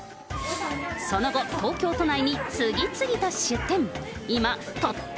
その後、東京都内に次々と出店。